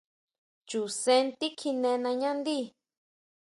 Chu sen tikjine nañá ndí.